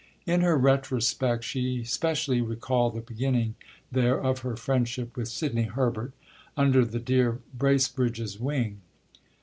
In her retrospect she specially recalled the beginning there of her friendship with Sidney Herbert "under the dear Bracebridges' wing."